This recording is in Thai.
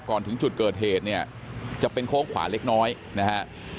ถึงจุดเกิดเหตุเนี่ยจะเป็นโค้งขวาเล็กน้อยนะฮะ